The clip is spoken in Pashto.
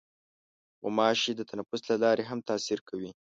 غوماشې د تنفس له لارې هم تاثیر کوي.